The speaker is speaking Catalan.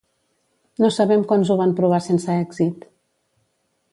No sabem quants ho van provar sense èxit.